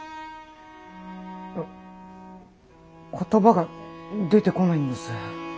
言葉が出てこないんです。